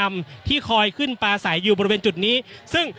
อย่างที่บอกไปว่าเรายังยึดในเรื่องของข้อ